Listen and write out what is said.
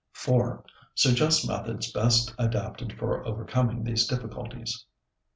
4. Suggest methods best adapted for overcoming these difficulties. 5.